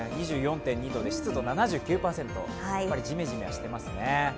２４．２度で、湿度７９％ジメジメはしてますね。